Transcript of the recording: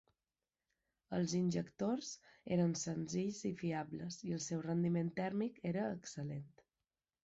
Els injectors eren senzills i fiables i el seu rendiment tèrmic era excel·lent.